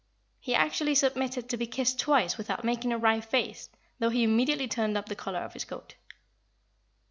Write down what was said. He actually submitted to be kissed twice without making a wry face, though he immediately turned up the collar of his coat.